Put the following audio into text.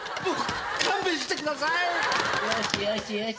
勘弁してください。